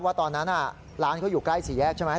ตอนนั้นร้านเขาอยู่ใกล้สี่แยกใช่ไหม